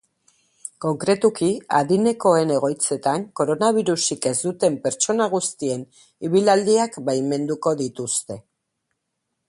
Konkretuki, adinekoen egoitzetan koronabirusik ez duten pertsona guztien ibilaldiak baimenduko dituzte.